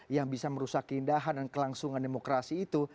yang bisa merusak keindahan dan kelangsungan demokrasi itu